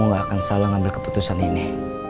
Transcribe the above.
kamu gak akan salah ngambil keputusan ini